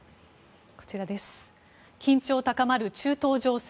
緊張高まる中東情勢。